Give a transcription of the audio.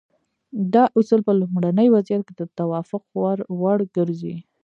دا اصول په لومړني وضعیت کې د توافق وړ ګرځي.